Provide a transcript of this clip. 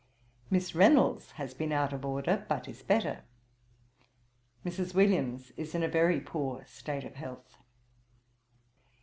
Miss Reynolds has been out of order, but is better. Mrs. Williams is in a very poor state of health.